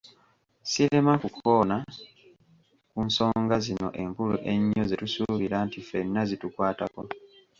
Sirema kukoona ku nsonga zino enkulu ennyo zetusuubira nti fenna zitukwatako.